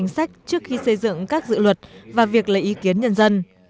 xây dựng các dự luật và việc lấy ý kiến nhân dân